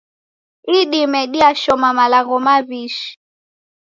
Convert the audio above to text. Idime diashoma malagho mawi'shi.